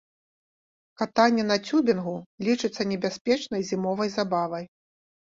Катанне на цюбінгу лічыцца небяспечнай зімовай забавай.